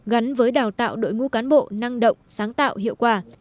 gắn với đào tạo đội ngũ cán bộ năng động sáng tạo hiệu quả